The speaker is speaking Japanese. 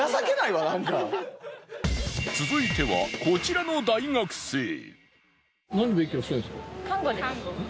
続いてはこちらの大学生。